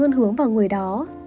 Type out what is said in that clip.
luôn hướng vào người đó